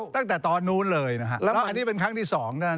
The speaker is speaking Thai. ตั้งแต่ตอนนู้นเลยนะฮะแล้วอันนี้เป็นครั้งที่สองนะ